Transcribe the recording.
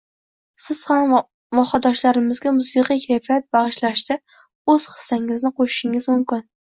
Siz ham vohadoshlarimizga musiqiy kayfiyat bagʻishlashda oʻz hissangizni qoʻshishingiz mumkin.